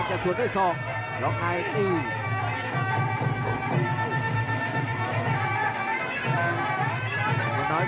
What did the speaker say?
ต่อมาหวังทางซ้าย